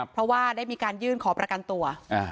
เพราะว่าได้มีการยื่นขอประกันตัว